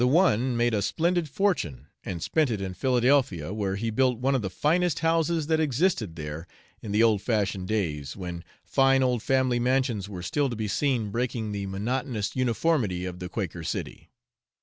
The one made a splendid fortune and spent it in Philadelphia, where he built one of the finest houses that existed there, in the old fashioned days, when fine old family mansions were still to be seen breaking the monotonous uniformity of the Quaker city.